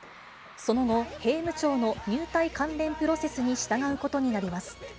その後、兵務庁の入隊関連プロセスに従うことになります。